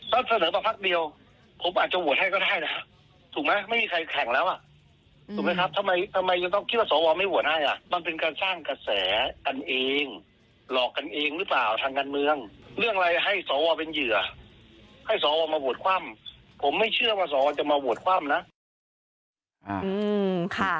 ผมไม่เชื่อว่าสอวอจะมาโหวตคว่ำนะ